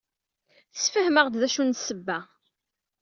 Tessefhem-aɣ-d acu n ssebba.